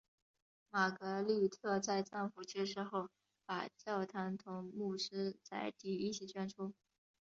玛格丽特在丈夫去世后把教堂同牧师宅邸一起捐出。